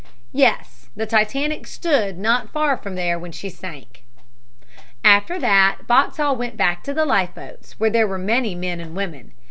"Yes, the Titanic stood not far from there when she sank." After that Boxhall went back to the life boats, where there were many men and women.